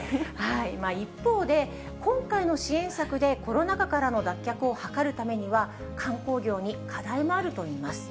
一方で、今回の支援策でコロナ禍からの脱却を図るためには、観光業に課題もあるといいます。